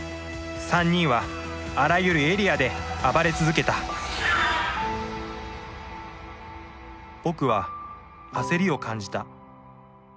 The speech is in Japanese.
３人はあらゆるエリアで暴れ続けた僕は焦りを感じた。